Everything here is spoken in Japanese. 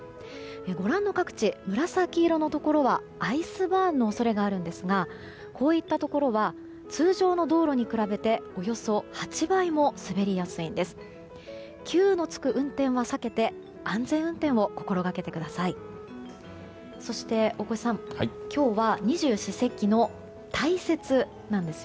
ご覧の各地、紫色のところはアイスバーンの恐れがあるんですがこういったところは通常の道路に比べておよそ８倍も滑りやすいんです。